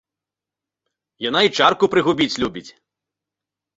Яна і чарку прыгубіць любіць.